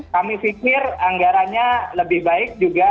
kami pikir anggarannya lebih baik juga